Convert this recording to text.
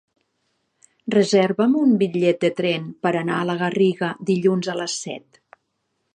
Reserva'm un bitllet de tren per anar a la Garriga dilluns a les set.